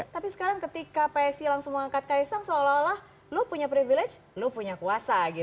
tapi sekarang ketika psi langsung mengangkat kaesang seolah olah lo punya privilege lo punya kuasa gitu